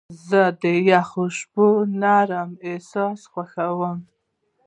زه د یخو شپو نرم احساس خوښوم.